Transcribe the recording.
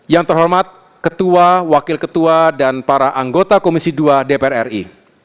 yang terhormat ketua wakil ketua dan para anggota komisi dua dpr ri